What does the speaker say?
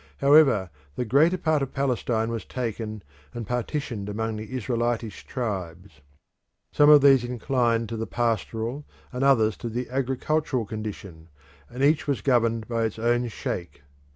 However, the greater part of Palestine was taken and partitioned among the Israelitish tribes. Some of these inclined to the pastoral and others to the agricultural condition, and each was governed by its own sheikh.